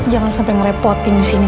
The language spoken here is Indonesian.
jangan sampai merepotin disini ya